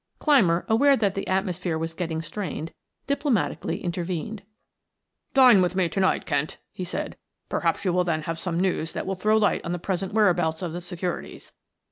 Clymer, aware that the atmosphere was getting strained, diplomatically intervened. "Dine with me to night, Kent," he said. "Perhaps you will then have some news that will throw light on the present whereabouts of the securities.